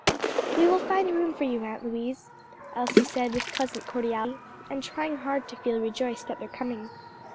"We will find room for you, Aunt Louise," Elsie said with pleasant cordiality, and trying hard to feel rejoiced at their coming.